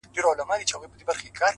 مهرباني د زړونو ترمنځ باور کرل دي!.